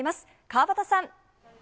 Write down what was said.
川畑さん。